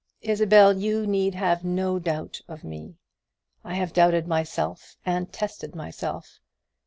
Isabel, you need have no doubt of me. I have doubted myself, and tested myself.